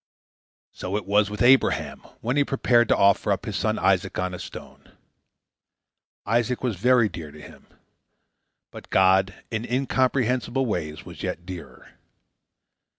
So it was with Abraham when he prepared to offer up his son Isaac on a stone. Isaac was very dear to him; but God, in incomprehensible ways, was yet dearer.